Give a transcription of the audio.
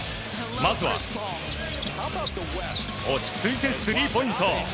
まずは落ち着いてスリーポイント。